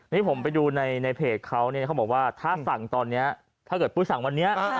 นี่ผมไปดูในเพจเขาเนี่ยเขาบอกว่าถ้าสั่งตอนนี้ถ้าเกิดปุ้ยสั่งวันนี้